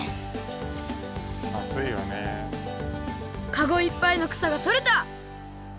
かごいっぱいのくさがとれた！